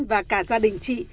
và cả gia đình chị